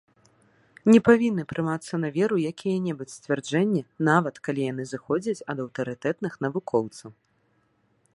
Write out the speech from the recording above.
Не павінны прымацца на веру якія-небудзь сцвярджэнні, нават калі яны зыходзяць ад аўтарытэтных навукоўцаў.